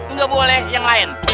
nggak boleh yang lain